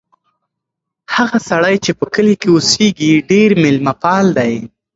هغه سړی چې په کلي کې اوسیږي ډېر مېلمه پال دی.